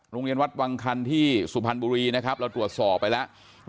โรงเรียนวัดวังคันที่สุพรรณบุรีนะครับเราตรวจสอบไปแล้ว